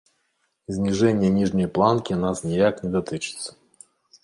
Зніжэнне ніжняй планкі нас ніяк не датычыцца.